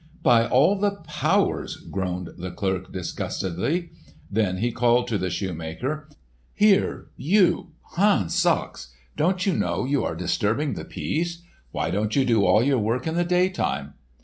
"By all the powers!" groaned the clerk disgustedly. Then he called to the shoemaker, "Here, you, Hans Sachs! Don't you know you are disturbing the peace? Why don't you do all your work in the daytime?"